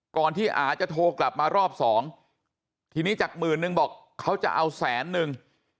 ก่อนที่อาจะโทรกลับมารอบสองทีนี้จากหมื่นนึงบอกเขาจะเอาแสนนึง